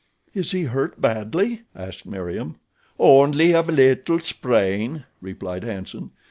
"Is he hurt badly?" asked Meriem. "Only a little sprain," replied Hanson.